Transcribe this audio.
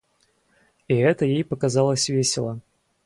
И это ей показалось весело.